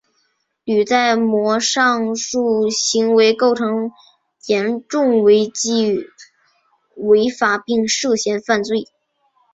吕在模上述行为构成严重违纪违法并涉嫌犯罪。